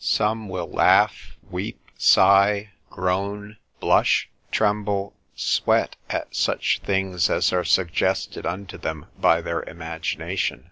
Some will laugh, weep, sigh, groan, blush, tremble, sweat, at such things as are suggested unto them by their imagination.